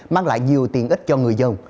mang lại nhiều tiện ích cho người dân